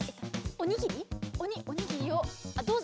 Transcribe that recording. おにおにぎりをどうぞ。